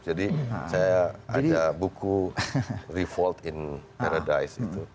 jadi saya ada buku revolt in paradise itu